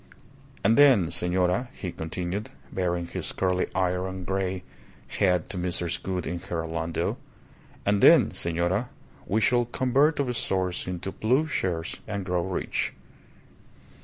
"And then, senora," he continued, baring his curly iron grey head to Mrs. Gould in her landau "and then, senora, we shall convert our swords into plough shares and grow rich.